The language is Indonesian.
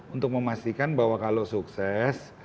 untuk memastikan bahwa kalau sukses